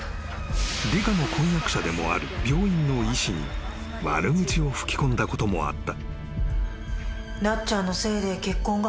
［里香の婚約者でもある病院の医師に悪口を吹き込んだこともあった］